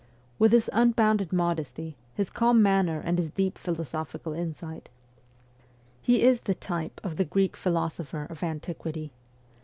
With his unbounded modesty, his calm manner and his deep philosophical insight, he is the type of the Greek philosopher of antiquity.